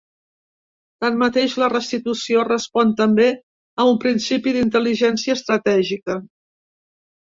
Tanmateix, la restitució respon també a un principi d’intel·ligència estratègica.